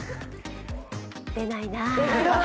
出ないなあ。